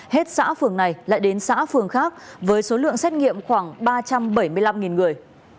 hết xã phường này lại đến xã phường khác với số lượng xét nghiệm khoảng ba trăm bảy mươi năm người